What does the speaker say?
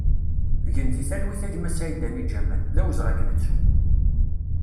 Gen di talwit a gma Saïdani Ǧamel, d awezɣi ad k-nettu!